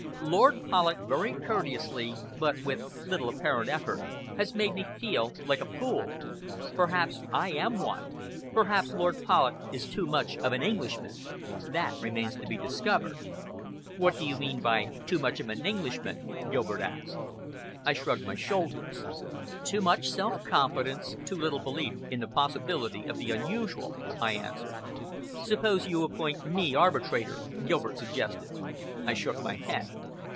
Lord Polloch very courteously, but with little apparent effort, has made me feel like a fool. Perhaps I am one! Perhaps Lord Polloch is too much of an Englishman. That remains to be discovered." "What do you mean by 'too much of an Englishman'?" Gilbert asked. I shrugged my shoulders. "Too much self confidence, too little belief in the possibility of the unusual," I answered. "Suppose you appoint me arbitrator," Gilbert suggested. I shook my head.